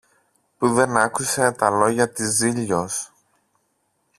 που δεν άκουσε τα λόγια της Ζήλιως.